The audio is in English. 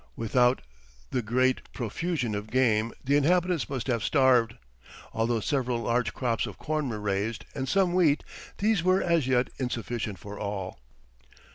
Without the great profusion of game the inhabitants must have starved; although several large crops of corn were raised, and some wheat, these were as yet insufficient for all.